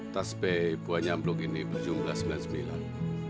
tepi buah nyemplung ini berjumlah sembilan puluh sembilan